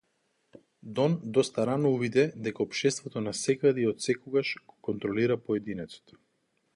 Дон доста рано увиде дека општеството насекаде и отсекогаш го контролира поединецот.